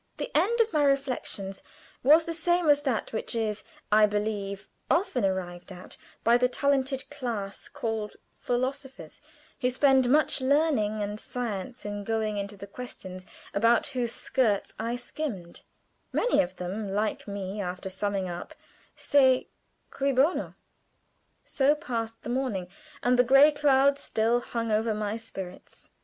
The end of my reflections was the same as that which is, I believe, often arrived at by the talented class called philosophers, who spend much learning and science in going into the questions about whose skirts I skimmed; many of them, like me, after summing up, say, Cui bono? So passed the morning, and the gray cloud still hung over my spirits.